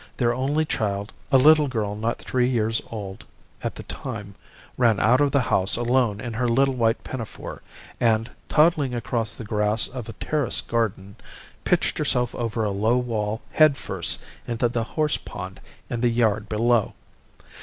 Their only child, a little girl not three years old at the time, ran out of the house alone in her little white pinafore, and, toddling across the grass of a terraced garden, pitched herself over a low wall head first into the horse pond in the yard below.